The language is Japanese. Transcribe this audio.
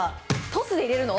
トスで入れるの？